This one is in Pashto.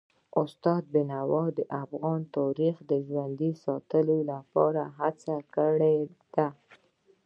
استاد بینوا د افغان تاریخ د ژوندي ساتلو لپاره هڅه کړي ده.